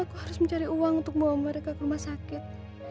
aku harus mencari uang untuk membawa mereka ke rumah sakit